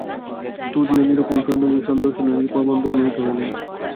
তদীয় নিরুপম সৌন্দর্য সন্দর্শনে নৃপনন্দন মোহিত হইলেন।